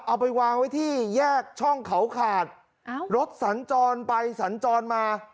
เอาไปวางไว้ที่แยกช่องเขาขาดรถสัญจรไปสัญจรมา